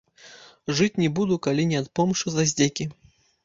Жыць не буду, калі не адпомшчу за здзекі!